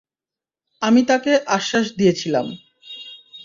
আমি তাকে আশ্বাস দিয়েছিলাম।